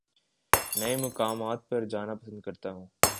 نئے مقامات پر جانا پسند کرتا ہوں